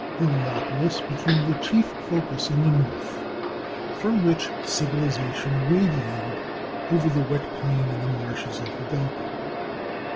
Heliopolis became the chief focus in the north, from which civilization radiated over the wet plain and the marshes of the Delta.